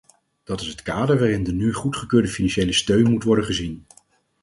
Dat is het kader waarin de nu goedgekeurde financiële steun moet worden gezien.